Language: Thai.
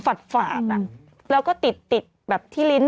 ปัดฝาดอะแล้วก็ติดแบบที่ลิ้น